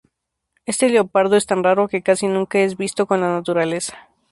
Este leopardo es tan raro que casi nunca es visto en la naturaleza.